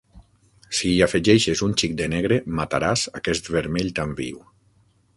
Si hi afegeixes un xic de negre, mataràs aquest vermell tan viu.